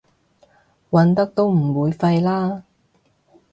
揾得都唔會廢啦